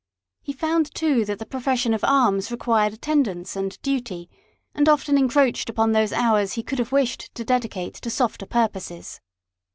He found too, that the profession of arms required attendance and duty, and often encroached upon those hours he could have wished to dedicate to softer purposes.